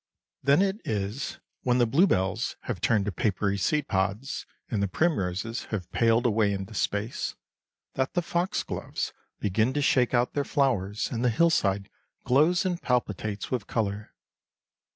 Then it is, when the bluebells have turned to papery seed pods, and the primroses have paled away into space, that the foxgloves begin to shake out their flowers and the hillside glows and palpitates with colour.